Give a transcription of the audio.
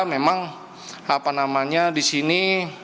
memang apa namanya disini